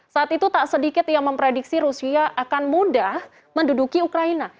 saat itu tak sedikit yang memprediksi rusia akan mudah menduduki ukraina